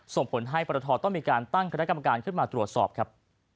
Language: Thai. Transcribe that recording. ส่งผลให้ปรทต้องมีการตั้งคณะกรรมการขึ้นมาตรวจสอบครับ